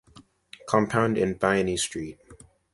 Compound in Bayani Street.